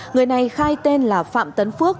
người này khai tên là phạm tấn phước